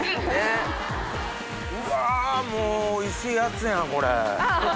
うわもうおいしいヤツやんこれ。